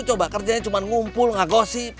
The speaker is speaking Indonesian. coba kerjanya cuma ngumpul ngagosi